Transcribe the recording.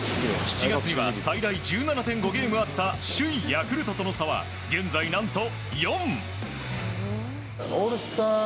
７月には最大１７．５ゲーム差あった首位ヤクルトとの差は現在、何と４！